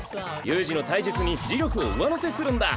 悠仁の体術に呪力を上乗せするんだ。